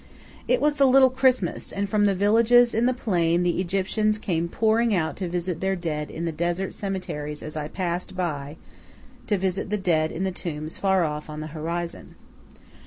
It was the "Little Christmas," and from the villages in the plain the Egyptians came pouring out to visit their dead in the desert cemeteries as I passed by to visit the dead in the tombs far off on the horizon.